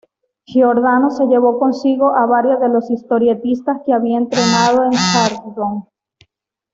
Giordano se llevó consigo a varios de los historietistas que había entrenado en Charlton.